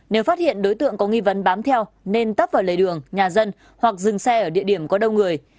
nếu phát hiện đối tượng có nghi vấn bám theo nên tắp vào lề đường nhà dân hoặc dừng xe ở địa điểm có đông người